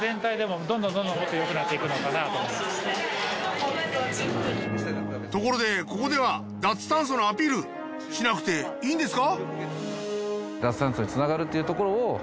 そうですねところでここでは脱炭素のアピールしなくていいんですか？